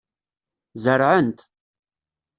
Zerɛent.